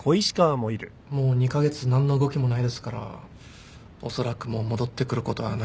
もう２カ月何の動きもないですからおそらくもう戻ってくることはないでしょう。